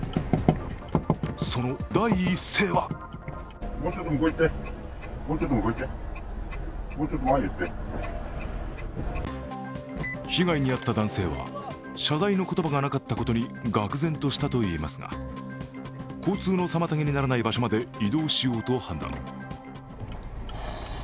その第一声は被害に遭った男性は謝罪の言葉がなかったことにがく然としたといいますが交通の妨げにならない場所まで移動しようと判断。